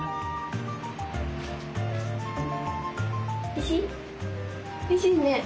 おいしいね。